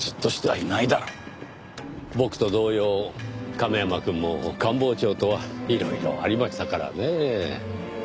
僕と同様亀山くんも官房長とはいろいろありましたからねぇ。